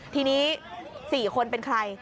ทีนี้๔คนเป็นใคร